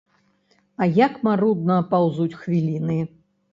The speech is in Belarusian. А як марудна паўзуць хвіліны.